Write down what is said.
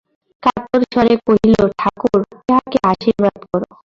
কাতর স্বরে কহিল, ঠাকুর, ইহাকে আশীর্বাদ করো।